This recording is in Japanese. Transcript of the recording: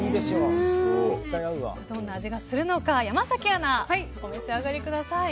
どんな味がするのか山崎アナお召し上がりください。